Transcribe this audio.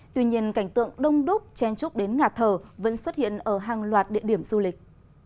tuy nhiên cảnh tượng đông đúc chen trúc đến ngạt thở vẫn xuất hiện ở hàng loạt địa điểm du lịch